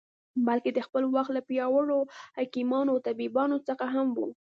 بلکې د خپل وخت له پیاوړو حکیمانو او طبیبانو څخه هم و.